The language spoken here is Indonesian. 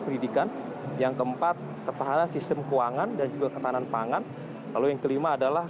pendidikan yang keempat ketahanan sistem keuangan dan juga ketahanan pangan lalu yang kelima adalah